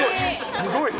すごいね。